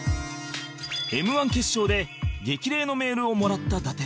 Ｍ ー１決勝で激励のメールをもらった伊達